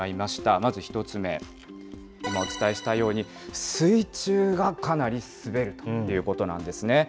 まず１つ目、今お伝えしたように、水中がかなり滑るということなんですね。